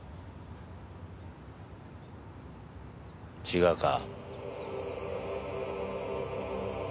違うか？